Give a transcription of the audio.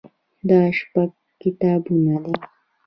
دا شپږ کتابونه دي.